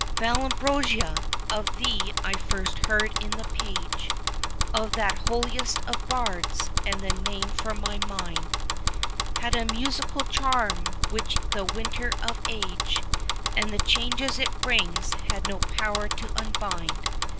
Vallombrosa! of thee I first heard in the page Of that holiest of Bards, and the name for my mind Had a musical charm, which the winter of age And the changes it brings had no power to unbind.